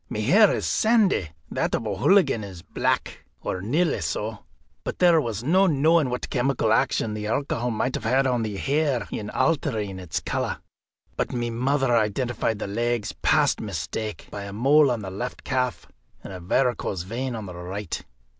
My hair is sandy, that of O'Hooligan is black, or nearly so; but there was no knowing what chemical action the alcohol might have on the hair in altering its colour. But my mother identified the legs past mistake, by a mole on the left calf and a varicose vein on the right.